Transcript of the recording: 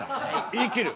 言い切る。